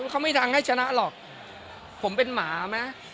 เขาไม่ดังให้ชนะหรอกผมเป็นหมาไหม